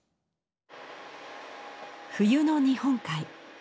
冬の日本海。